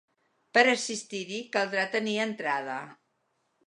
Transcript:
Per assistir-hi caldrà tenir entrada.